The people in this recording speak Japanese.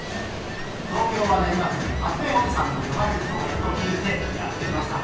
東京は練馬区に、発明おじさんと呼ばれる人がいると聞いて、やって来ました。